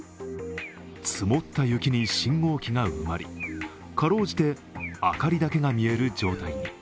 積もった雪に信号機が埋まり、かろうじて明かりだけが見える状態に。